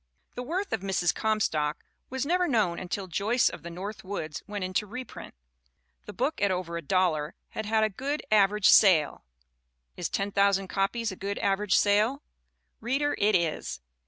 The worth of Mrs. Comstock was never known until Joyce of the North Woods went into reprint. The book, at over a dollar, had had a "good, aver age sale" is 10,000 copies a good average sale? Reader, it is.